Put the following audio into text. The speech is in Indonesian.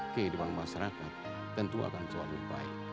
kehidupan masyarakat tentu akan selalu baik